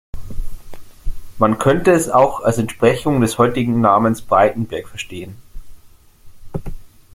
Man könnte es auch als Entsprechung des heutigen Namens Breitenberg verstehen.